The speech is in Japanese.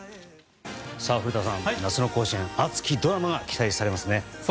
古田さん、夏の甲子園熱きドラマが期待されますね。